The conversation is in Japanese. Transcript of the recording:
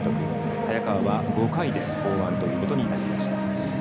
早川は５回で降板ということになりました。